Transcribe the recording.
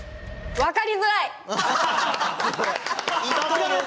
「わかりづらい」。